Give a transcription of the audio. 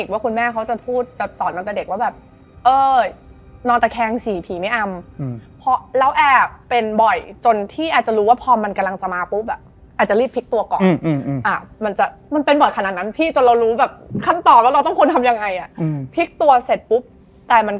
พอไปถึงที่ที่หมู่กระทะก็เริ่มผิดสังเกตว่า